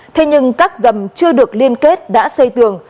thế nhưng các dầm chưa được liên kết đã xây tường